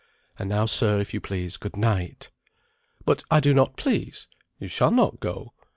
And now, sir, if you please, good night." "But I do not please. You shall not go.